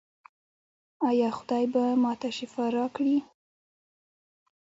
ایا خدای به ما ته شفا راکړي؟